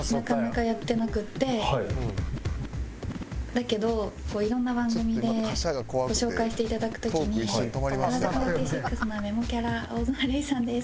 だけど色んな番組でご紹介して頂く時に「櫻坂４６のメモキャラ大園玲さんです！」